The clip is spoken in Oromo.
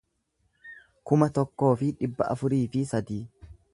kuma tokkoo fi dhibba afurii fi sadii